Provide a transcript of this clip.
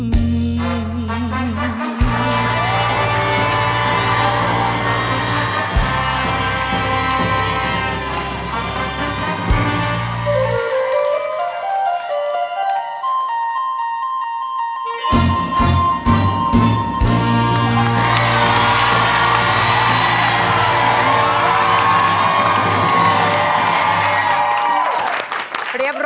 เกี่ยวอะไรก็ไม่มีมิตร